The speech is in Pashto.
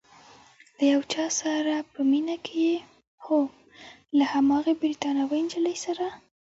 له یو چا سره په مینه کې یې؟ هو، له هماغې بریتانوۍ نجلۍ سره؟